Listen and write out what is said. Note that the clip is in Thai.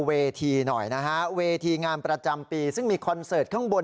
เวทีหน่อยนะฮะเวทีงานประจำปีซึ่งมีคอนเสิร์ตข้างบน